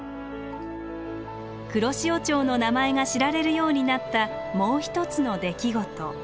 黒潮町の名前が知られるようになったもう一つの出来事